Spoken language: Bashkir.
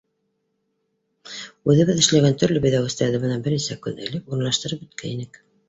Үҙебеҙ эшләгән төрлө биҙәүестәрҙе бынан бер нисә көн элек урынлаштырып бөткәйнек.